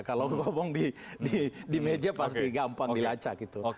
kalau ngomong di meja pasti gampang dilacak gitu